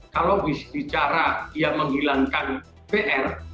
kalau bicara dia menghilangkan pr